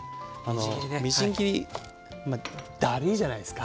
みじん切りだるいじゃないですか。